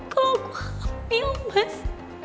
kalau aku hamil mas